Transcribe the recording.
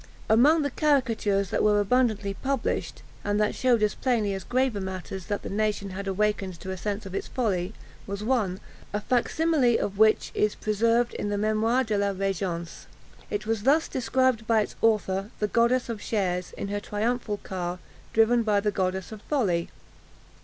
Among the caricatures that were abundantly published, and that shewed as plainly as graver matters, that the nation had awakened to a sense of its folly, was one, a fac simile of which is preserved in the Mémoires de la Régence. It was thus described by its author: "The 'Goddess of Shares,' in her triumphal car, driven by the Goddess of Folly.